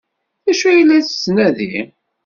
D acu ay la tettnadi?